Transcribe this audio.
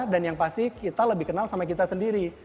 dan yang pasti kita lebih kenal sama kita sendiri